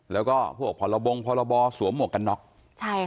แล้วก็พวกพรบงพรบสวมหมวกกันน็อกใช่ค่ะ